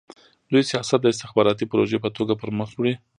دوی سیاست د استخباراتي پروژې په توګه پرمخ وړي.